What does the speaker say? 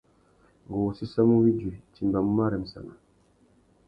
Ngú wô séssamú widuï ; nʼtimbamú marremsana.